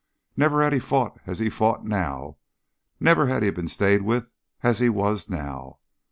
Never had he fought as he fought now; never had he been stayed with as he was now.